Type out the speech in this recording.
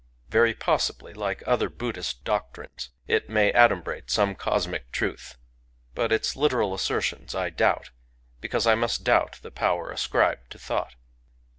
Very possibly, like other Buddhist doctrines, it may adumbrate some cosmic truth ; but its literal assertions I doubt, because I must doubt the power ascribed to thought.